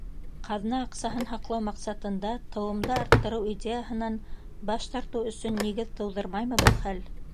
Ҡаҙна аҡсаһын һаҡлау маҡсатында тыуымды арттырыу идеяһынан баш тартыу өсөн нигеҙ тыуҙырмаймы был хәл?